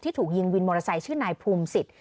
ถูกยิงวินมอเตอร์ไซค์ชื่อนายภูมิสิทธิ